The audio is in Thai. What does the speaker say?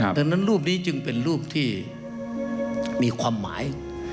ดังนั้นรูปนี้จึงเป็นรูปที่มีความหมาย